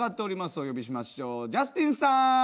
お呼びしましょうジャスティンさん！